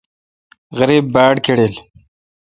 غریب باڑ کڑل۔